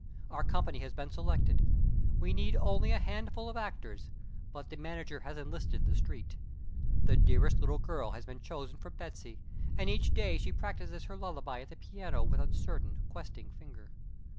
Our company has been selected. We need only a handful of actors, but the manager has enlisted the street. The dearest little girl has been chosen for Betsy, and each day she practices her lullaby at the piano with uncertain, questing finger.